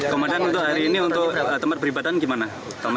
komandan untuk hari ini untuk tempat beribadahan gimana